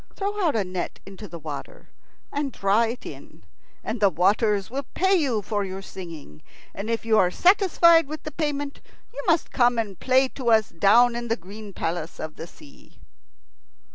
Throw out a net into the water, and draw it in, and the waters will pay you for your singing. And if you are satisfied with the payment, you must come and play to us down in the green palace of the sea."